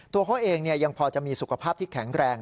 ตัวเขาเองยังพอจะมีสุขภาพที่แข็งแรง